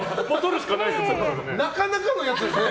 なかなかのやつですね！